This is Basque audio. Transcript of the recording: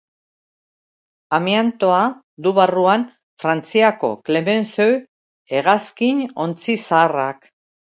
Amiantoa du barruan Frantziako Clemenceau hegazkin ontzi zaharrak.